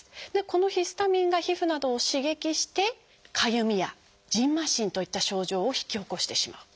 このヒスタミンが皮膚などを刺激して「かゆみ」や「じんましん」といった症状を引き起こしてしまう。